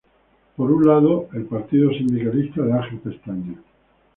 Por un lado el Partido Sindicalista de Ángel Pestaña.